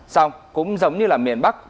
xong cũng giống như miền bắc